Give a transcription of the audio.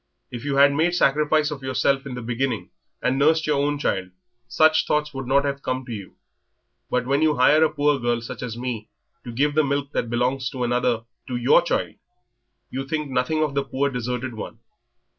If you had made sacrifice of yourself in the beginning and nursed your own child such thoughts would not have come to you. But when you hire a poor girl such as me to give the milk that belongs to another to your child, you think nothing of the poor deserted one.